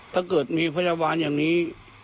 ถ้าเกิดมีพยาบาลอย่างนี้